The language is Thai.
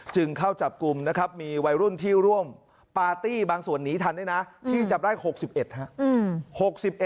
จึงเข้าจับกลุ่มนะครับมีวัยรุ่นที่ร่วมปาร์ตี้บางส่วนหนีทันด้วยนะที่จับได้๖๑ครับ